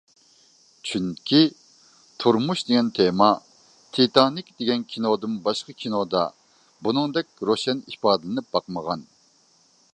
چۈنكى تۇرمۇش دېگەن تېما، تىتانىك دېگەن كىنودىن باشقا كىنودا بۇنىڭدەك روشەن ئىپادىلىنىپ باقمىغان.